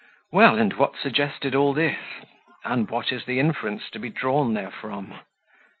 Well and what suggested all this? and what is the inference to be drawn therefrom?